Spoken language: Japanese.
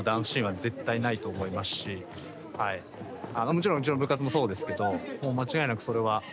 もちろんうちの部活もそうですけどもう間違いなくそれは。